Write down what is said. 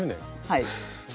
はい。